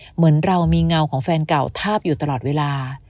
เหมือนเรามีเงาของแฟนเก่าทาบอยู่ตลอดเวลา